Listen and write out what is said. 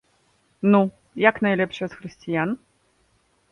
Ну, як найлепшыя з хрысціян?